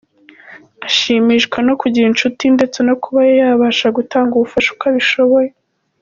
Ashimishwa no kugira inshuti ndetse no kuba yabasha gutanga ubufasha uko abishoboye.